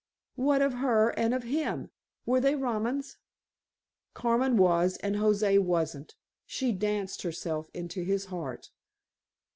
"What of her and of him? Were they Romans?" "Carmen was and José wasn't. She danced herself into his heart."